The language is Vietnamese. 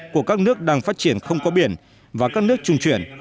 của các nước đang phát triển không có biển và các nước trung chuyển